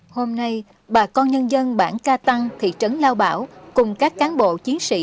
hôm nay bà con nhân dân bản ca tăng thị trấn lao bảo cùng các cán bộ chiến sĩ